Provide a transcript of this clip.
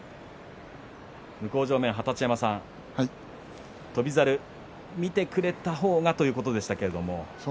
向正面の二十山さん翔猿、見てくれた方がということでしたけれども。